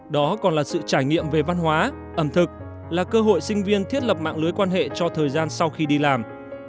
đó còn là sự trải nghiệm về văn hóa ẩm thực là cơ hội sinh viên thiết lập mạng lưới quan hệ cho thời gian sau khi đi làm